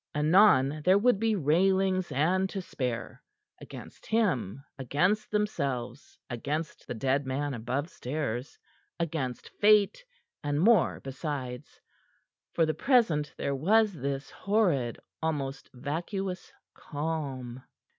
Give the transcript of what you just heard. Anon there would be railings and to spare against him, against themselves, against the dead man above stairs, against Fate, and more besides. For the present there was this horrid, almost vacuous calm.